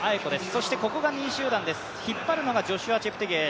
そして２位集団です、引っ張るのがジョシュア・チェプテゲイ。